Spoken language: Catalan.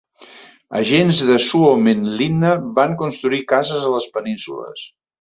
Agents de Suomenlinna van construir cases a les penínsules.